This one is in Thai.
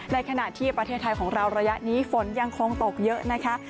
ในขณะที่ประเทศไทยของเราระยะนี้ฝนยังคงตกเยอะนะคะ